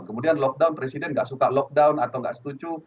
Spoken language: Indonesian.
kemudian lockdown presiden gak suka lockdown atau gak setuju